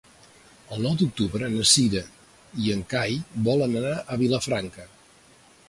El nou d'octubre na Cira i en Cai volen anar a Vilafranca.